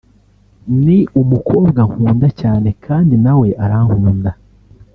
ni umukobwa nkunda cyane kandi na we arankunda